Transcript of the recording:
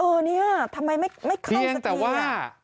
เออนี่ทำไมไม่เข้าสักที